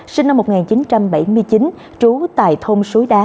sinh năm một nghìn chín trăm bảy mươi chín trú tại thôn suối đá